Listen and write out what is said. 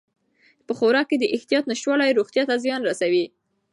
په خوراک کې د احتیاط نشتوالی روغتیا ته زیان رسوي.